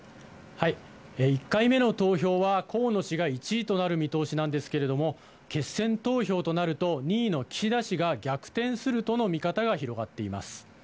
１回目の投票は、河野氏が１位となる見通しなんですけれども、決選投票となると、２位の岸田氏が逆転するとの見方が広がっています。